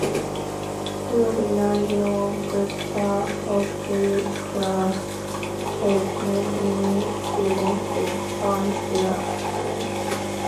Floriana Youngstar Hockey Club helps many students expand their talent.